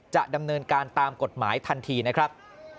จะดำเนินการตามกฎหมายทันทีนะครับ